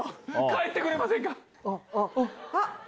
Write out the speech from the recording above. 帰ってくれませんか？